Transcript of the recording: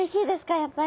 やっぱり。